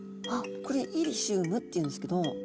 これイリシウムっていうんですけど。